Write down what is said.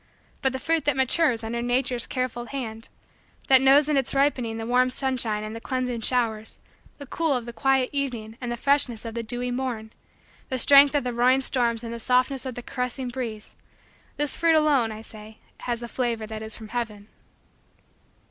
But the fruit that matures under Nature's careful hand; that knows in its ripening the warm sunshine and the cleansing showers, the cool of the quiet evening and the freshness of the dewy morn, the strength of the roaring storms and the softness of the caressing breeze this fruit alone, I say, has the flavor that is from heaven.